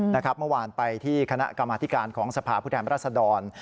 เมื่อวานไปที่คณะกรรมธิการของสภาพผู้แทนรัศดร